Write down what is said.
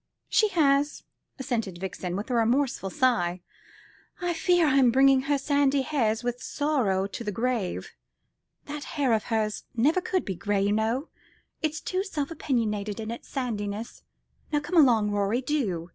"She has," assented Vixen, with a remorseful sigh; "I fear I'm bringing her sandy hairs with sorrow to the grave. That hair of hers never could be gray, you know, it's too self opinionated in its sandiness. Now come along, Rorie, do.